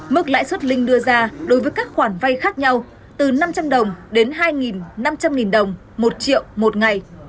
mức lãi suất linh đưa ra đối với các khoản vay khác nhau từ năm trăm linh đồng đến hai năm trăm linh đồng một triệu một ngày